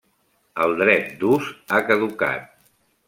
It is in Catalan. El dret d'ús ha caducat.